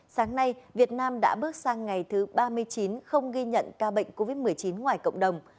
sáng nay việt nam đã bước sang ngày thứ ba mươi chín không ghi nhận ca bệnh covid một mươi chín ngoài cộng đồng